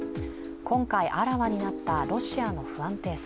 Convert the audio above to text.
今回あらわになったロシアの不安定さ。